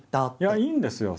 いやいいんですよ。